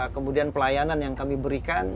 kemudian pelayanan yang kami berikan